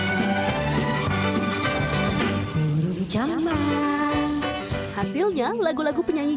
hasilnya lagu lagu penyanyi jenis ini mama ina adalah lagu lagu yang sangat menarik